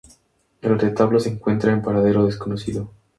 El retablo se encuentra en paradero desconocido.